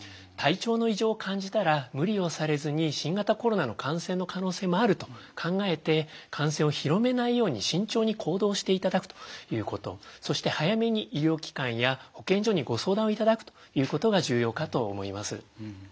体調の異常を感じたら無理をされずに新型コロナの感染の可能性もあると考えて感染を広めないように慎重に行動していただくということそして早めに医療機関や保健所にご相談をいただくということが重要かと思います。